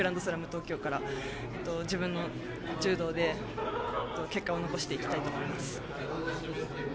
東京から自分の柔道で結果を残していきたいと思います。